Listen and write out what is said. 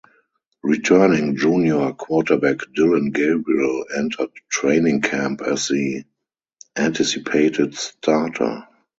Returning junior quarterback Dillon Gabriel entered training camp as the anticipated starter.